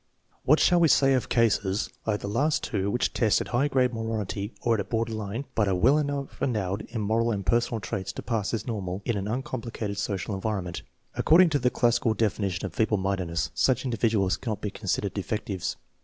What shall we say of cases like the last two which test at high grade moronity or at border line, but are well enough endowed in moral and personal traits to pass as normal in an uncomplicated social en vironment? According to the classical definition of feeble mindedness such individuals cannot be considered defectives.